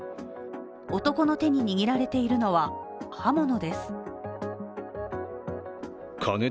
男の手に握られているのは、刃物です。